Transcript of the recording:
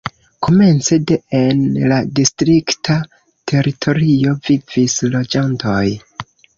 Komence de en la distrikta teritorio vivis loĝantoj.